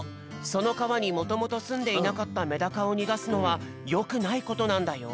そのかわにもともとすんでいなかったメダカをにがすのはよくないことなんだよ。